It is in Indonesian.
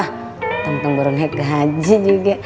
tempeng tempeng baru naik gaji juga